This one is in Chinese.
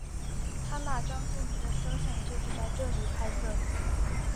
他那张著名的肖像就是在这里拍摄的。